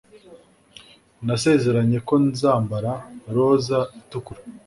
nasezeranye ko nzambara roza itukura